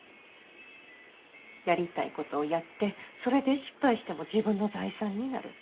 やりたいことをやってそれで失敗しても自分の財産になる。